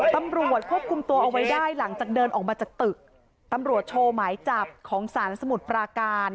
ตำรวจควบคุมตัวเอาไว้ได้หลังจากเดินออกมาจากตึกตำรวจโชว์หมายจับของสารสมุทรปราการ